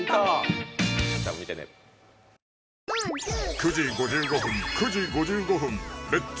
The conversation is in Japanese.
９時５５分９時５５分「レッツ！